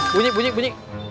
bunyi bunyi bunyi